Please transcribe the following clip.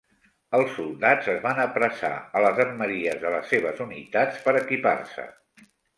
Els soldats es van apressar a les armeries de les seves unitats per equipar-se.